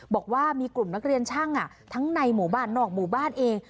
บอกว่ามีกลุ่มนักเรียนช่างทั้งในหมู่บ้านนอกหมู่บ้านเอง